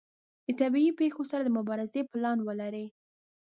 د طبیعي پیښو سره د مبارزې پلان ولري.